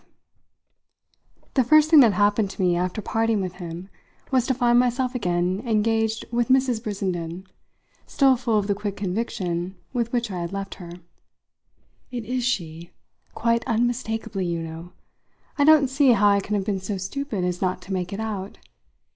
V The first thing that happened to me after parting with him was to find myself again engaged with Mrs. Brissenden, still full of the quick conviction with which I had left her. "It is she quite unmistakably, you know. I don't see how I can have been so stupid as not to make it out.